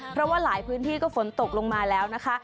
เพราะว่าหลายพื้นที่ก็ฝนตกลงมาแล้วนะคะ